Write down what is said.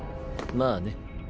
まあね。